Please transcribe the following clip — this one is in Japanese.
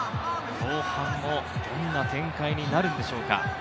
後半もどんな展開になるんでしょうか。